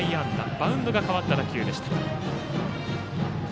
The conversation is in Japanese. バウンドが変わった打球でした。